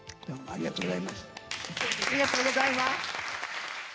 ありがとうございます。